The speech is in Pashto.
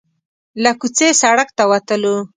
له کوڅې سړک ته وتلو.